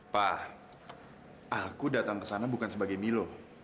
pak aku datang ke sana bukan sebagai milo